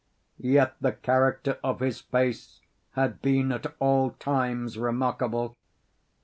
Yet the character of his face had been at all times remarkable.